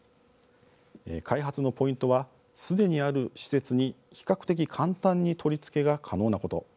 開発のポイントはすでにある施設に比較的簡単に取り付けが可能なこと。